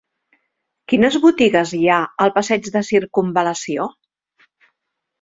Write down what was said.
Quines botigues hi ha al passeig de Circumval·lació?